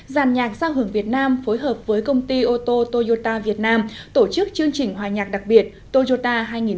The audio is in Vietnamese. giàn nhạc sao hưởng việt nam phối hợp với công ty ô tô toyota việt nam tổ chức chương trình hòa nhạc đặc biệt toyota hai nghìn một mươi chín